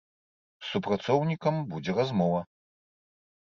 З супрацоўнікам будзе размова.